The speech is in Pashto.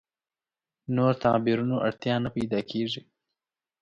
نور تعبیرونو اړتیا نه پیدا کېږي.